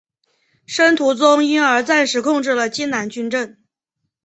申屠琮因而暂时控制了荆南军政。